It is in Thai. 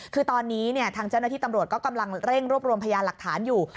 คือตอนนี้ทางเจ้าหน้าที่ตำรวจก็กำลังเร่งรวบรวมพยานหลักฐานอยู่